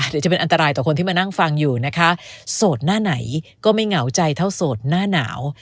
เดี๋ยวจะเป็นอันตรายต่อคนที่มานั่งฟังอยู่นะคะโสดหน้าไหนก็ไม่เหงาใจเท่าโสดหน้าหนาว